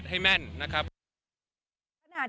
ท่านบุคคลาสมัคร